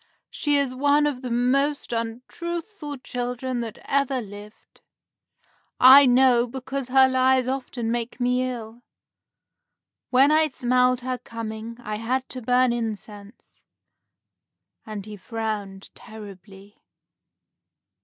She is one of the most untruthful children that ever lived. I know, because her lies often make me ill. When I smelled her coming, I had to burn incense;" and he frowned terribly.